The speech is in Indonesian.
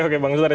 oke bang ustari